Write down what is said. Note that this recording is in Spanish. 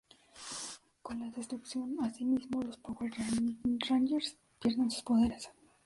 Con la destrucción, asimismo, los Power Rangers pierden sus poderes.